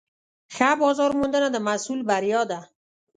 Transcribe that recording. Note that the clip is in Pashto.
ښه بازارموندنه د محصول بریا ده.